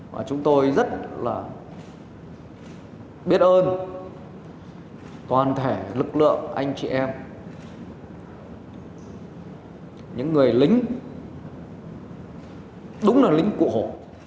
và chúng tôi rất là biết ơn toàn thể lực lượng anh chị em những người lính đúng là lính cụ hồ